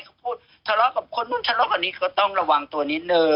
เขาพูดทะเลาะกับคนนู้นทะเลาะกับอันนี้ก็ต้องระวังตัวนิดนึง